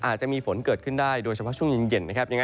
อาจจะมีฝนเกิดขึ้นได้โดยเฉพาะช่วงหญิงเย็น